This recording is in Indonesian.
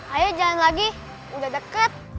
ayo jalan lagi udah deket